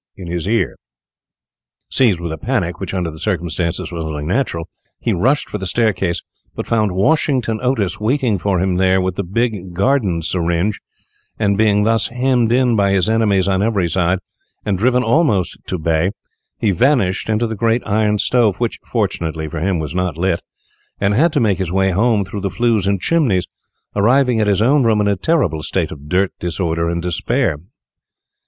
in his ear. [Illustration: "SUDDENLY THERE LEAPED OUT TWO FIGURES."] Seized with a panic, which, under the circumstances, was only natural, he rushed for the staircase, but found Washington Otis waiting for him there with the big garden syringe, and being thus hemmed in by his enemies on every side, and driven almost to bay, he vanished into the great iron stove, which, fortunately for him, was not lit, and had to make his way home through the flues and chimneys, arriving at his own room in a terrible state of dirt, disorder, and despair.